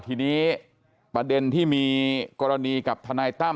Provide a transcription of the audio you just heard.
ทีนี้ประเด็นที่มีกรณีกับทนายตั้ม